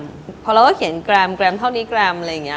เพราะเราก็เขียนแกรมเท่านี้แกรมอะไรอย่างนี้